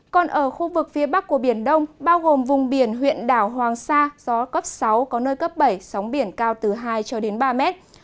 còn ở khu vực phía bắc của biển đông bao gồm vùng biển huyện đảo hoàng sa gió cấp sáu có nơi cấp bảy sóng biển cao từ hai cho đến ba mét